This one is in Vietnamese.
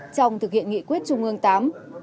trong thực hiện nghị quyết trung ương viii